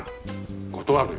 断るよ。